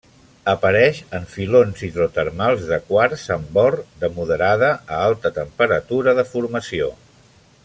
Apareix en filons hidrotermals de quars amb or, de moderada a alta temperatura de formació.